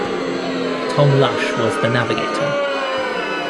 Tom Lush was the navigator.